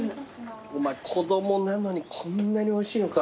お前子供なのにこんなにおいしいのか。